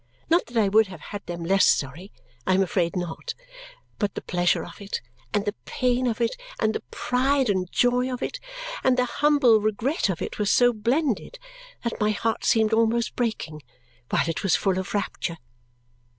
Not that I would have had them less sorry I am afraid not; but the pleasure of it, and the pain of it, and the pride and joy of it, and the humble regret of it were so blended that my heart seemed almost breaking while it was full of rapture.